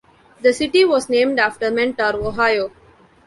The city was named after Mentor, Ohio.